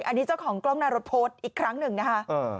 อันนี้เจ้าของกล้องหน้ารถโพสต์อีกครั้งหนึ่งนะคะ